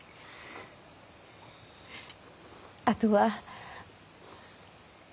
あとは。